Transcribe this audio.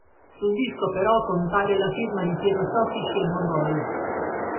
Sul disco però compare la firma di Piero Soffici e Mogol.